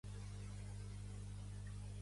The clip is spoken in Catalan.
Donar una bellota i demanar una carrasca.